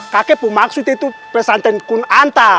kakek pun maksud itu pesantren kun anta